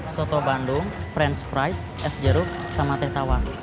soto bandung french fries es jeruk sama teh tawar